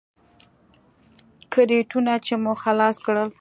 کرېټونه چې مو خلاص کړل.